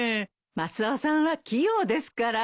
マスオさんは器用ですから。